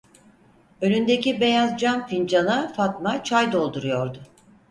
Önündeki beyaz cam fincana Fatma çay dolduruyordu.